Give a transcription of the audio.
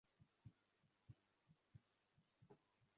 আমি আমাদের মেয়েদের ভাল মনে করি এবং এদেশের মেয়েদেরও ভাল মনে করি।